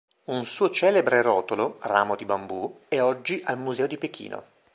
Un suo celebre rotolo, "Ramo di bambù", è oggi al Museo di Pechino.